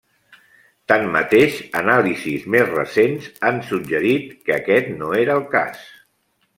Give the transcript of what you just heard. Tanmateix, anàlisis més recents han suggerit que aquest no era el cas.